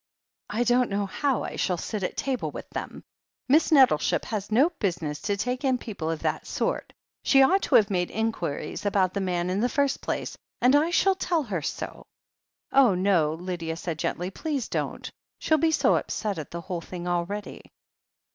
"I don't know how I shall sit at table with them. Miss Nettleship has no business to take in people of that sort — ^she ought to have made inquiries about the man in the first place, and I shall tell her so." "Oh, no," said Lydia gently. "Please don't. She'll be so upset at the whole thing already."